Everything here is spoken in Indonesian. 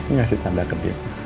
ngasih tanda kebih